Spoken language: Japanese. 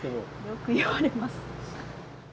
よく言われます。